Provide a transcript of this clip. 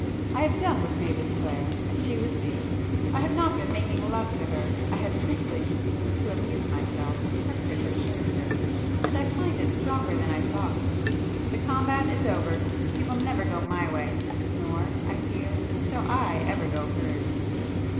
I have done with Mavis Clare, and she with me. I have not been making love to her,—I have simply, just to [p 353] amuse myself, tested her character,—and I find it stronger than I thought. The combat is over. She will never go my way,—nor, I fear, shall I ever go hers!"